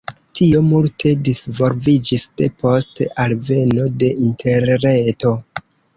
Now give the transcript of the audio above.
Tio multe disvolviĝis depost alveno de interreto.